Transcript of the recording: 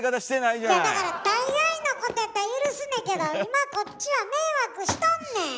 いやだから大概のことやったら許すねんけど今こっちは迷惑しとんねん！